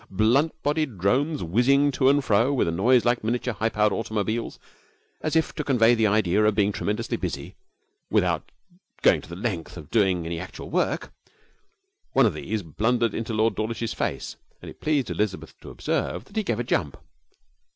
Blunt bodied drones whizzed to and fro with a noise like miniature high powered automobiles, as if anxious to convey the idea of being tremendously busy without going to the length of doing any actual work. One of these blundered into Lord Dawlish's face, and it pleased Elizabeth to observe that he gave a jump.